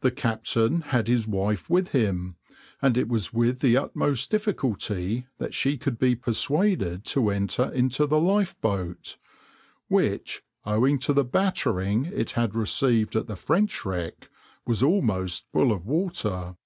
The captain had his wife with him, and it was with the utmost difficulty that she could be persuaded to enter into the lifeboat, which, owing to the battering it had received at the French wreck, was almost full of water.